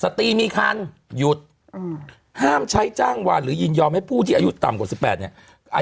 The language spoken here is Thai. ตีมีคันหยุดห้ามใช้จ้างวานหรือยินยอมให้ผู้ที่อายุต่ำกว่า๑๘เนี่ย